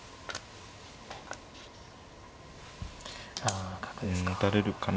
あ角ですか。